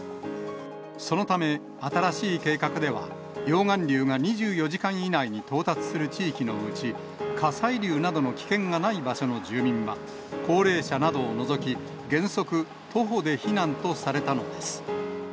そのため、新しい計画では、溶岩流が２４時間以内に到達する地域のうち、火砕流などの危険がない場所の住民は、高齢者などを除き、原則徒歩で避難とされたのです。